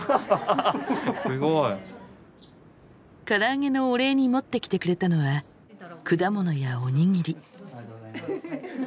からあげのお礼に持ってきてくれたのは果物やおにぎり。